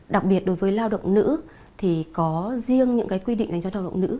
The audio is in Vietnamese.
đặc biệt đối với lao động nữ thì có riêng những quy định dành cho lao động nữ